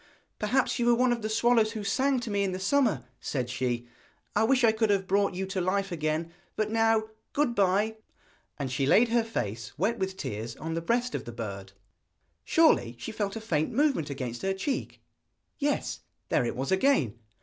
'Perhaps you were one of the swallows who sang to me in the summer,' said she. 'I wish I could have brought you to life again; but now, good bye!' And she laid her face, wet with tears, on the breast of the bird. Surely she felt a faint movement against her cheek? Yes, there it was again!